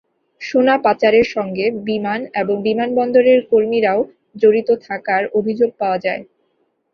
সোনা পাচারের সঙ্গে বিমান এবং বিমানবন্দরের কর্মীরাও জড়িত থাকার অভিযোগ পাওয়া যায়।